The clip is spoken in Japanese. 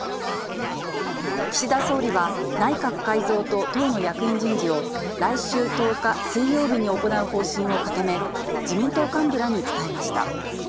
岸田総理は、内閣改造と党の役員人事を、来週１０日水曜日に行う方針を固め、自民党幹部らに伝えました。